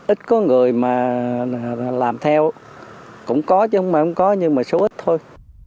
ít có người mà làm theo cũng có chứ không phải không có nhưng mà số ít thôi